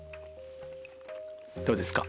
どうですか？